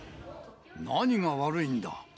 何が悪いんだ。